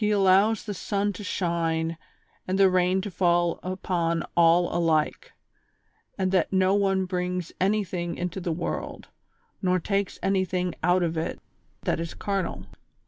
177 allows the sun to shine and rain fall upon all alike, and that no one brings anything into the world, nor takes any thing out of it that is carnal.